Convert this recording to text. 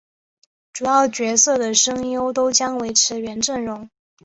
主要角色的声优都将维持原阵容。